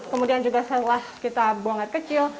kemudian juga setelah kita buang air kecil